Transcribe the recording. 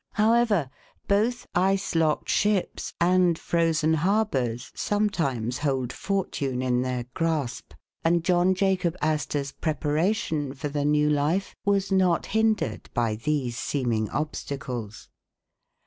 However, both ice locked ships and frozen harbors sometimes hold fortune in their grasp, and John Jacob Aster's preparation for the new life was not hindered by these seeming obstacles.